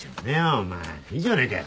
お前いいじゃねぇかよ